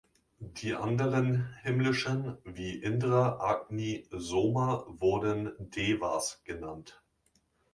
Die anderen Himmlischen wie Indra, Agni, Soma wurden Devas genannt.